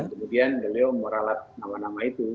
kemudian beliau meralat nama nama itu